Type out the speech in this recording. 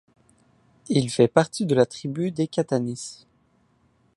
Il fait partie de la tribu des Kahtanis.